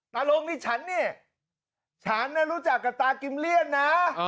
ตาโรงตาโรงนี่ฉันฉันรู้จักกับตากิมเลี้ยนนะ